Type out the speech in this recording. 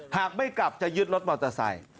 หากไม่กลับจะยึดรถมอเตอร์ไซค์